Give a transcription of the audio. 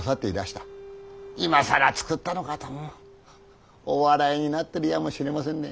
今更作ったのかとお笑いになっているやもしれませんね。